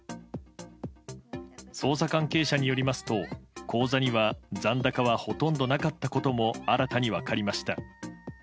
捜査関係者によりますと、口座には残高はほとんどなかったことも、新たに分かりました。